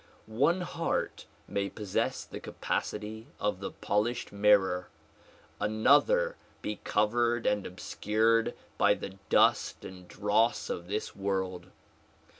One heart may possess the capacity of the polished mirror : another be covered and obscured by the dust and dross of this world.